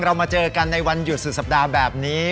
มาเจอกันในวันหยุดสุดสัปดาห์แบบนี้